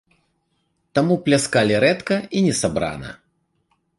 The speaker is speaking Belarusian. Таму пляскалі рэдка і несабрана.